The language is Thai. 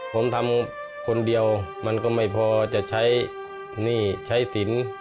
ผมทำคนเดียวมันก็ไม่พอจะใช้หนี้ใช้สิน